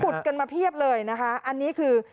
กันมาเพียบเลยนะคะอันนี้คือ